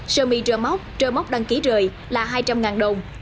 sơ mi rơ móc trơ móc đăng ký rời là hai trăm linh đồng